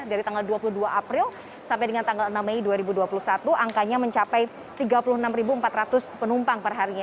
dari tanggal dua puluh dua april sampai dengan tanggal enam mei dua ribu dua puluh satu angkanya mencapai tiga puluh enam empat ratus penumpang perharinya